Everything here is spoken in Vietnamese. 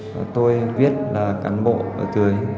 và tôi viết là cán bộ ở dưới